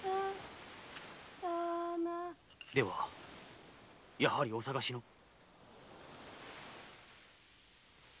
ではやはりお捜しの？